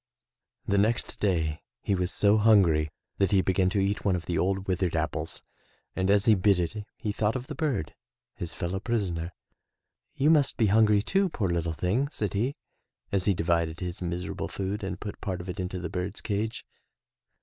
41 MY BOOK HOUSE The next day he was so hungry that he began to eat one of the old withered apples, and as he bit it, he thought of the bird, his fellow prisoner. You must be hungry, too, poor little thing," said he as he divided his miserable food and put part of it into the bird's cage.